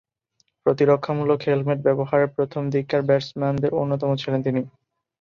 প্রতিরক্ষামূলক হেলমেট ব্যবহারে প্রথমদিককার ব্যাটসম্যানদের অন্যতম ছিলেন তিনি।